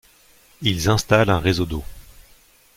Ils installent un réseau d'eau.